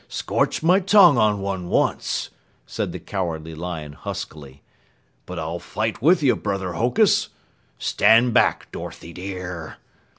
Scorched my tongue on one once," said the Cowardly Lion huskily. "But I'll fight with you, brother Hokus. Stand back, Dorothy dear."